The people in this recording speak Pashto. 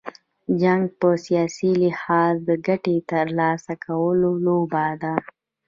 جنګ په سیاسي لحاظ، د ګټي تر لاسه کولو لوبه ده.